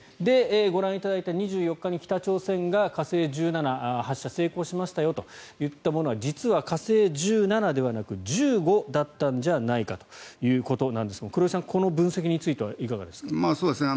ご覧いただいた２４日に北朝鮮が火星１７発射に成功しましたよと言ったものは実は火星１７ではなく１５だったんじゃないかということなんですが黒井さん、この分析についてはいかがですか。